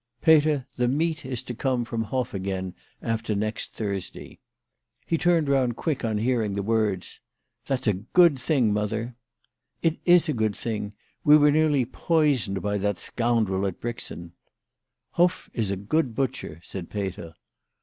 " Peter, the meat is to come from Hoff again after next Thursday." He turned round quick on hearing the words. " That's a good thing, mother." " It is a good thing. We were nearly poisoned by that scoundrel at Brixen." " Hoff is a good butcher," said Peter.